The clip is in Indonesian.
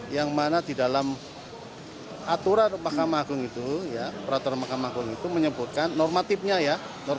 yang mana di dalam aturan mahkamah agung itu peraturan mahkamah agung itu menyebutkan normatifnya ya